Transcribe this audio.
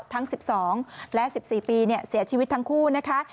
ทั้ง๑๒และ๑๔ปีเสียชีวิตทั้งคู่นะคะ